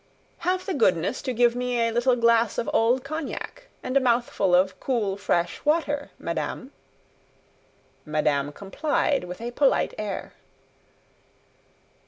"Have the goodness to give me a little glass of old cognac, and a mouthful of cool fresh water, madame." Madame complied with a polite air.